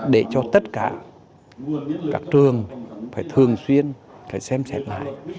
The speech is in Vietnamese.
để cho tất cả các trường phải thường xuyên phải xem xét lại